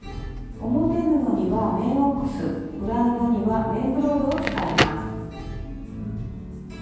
表布には綿オックス裏布には綿ブロードを使います。